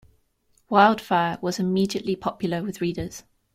Wildfire was immediately popular with readers.